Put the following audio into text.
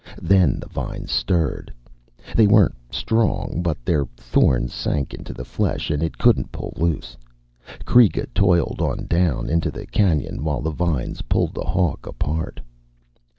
Then the vines stirred. They weren't strong, but their thorns sank into the flesh and it couldn't pull loose. Kreega toiled on down into the canyon while the vines pulled the hawk apart.